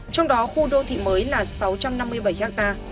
trong đó khu đô thị mới là sáu trăm năm mươi bảy ha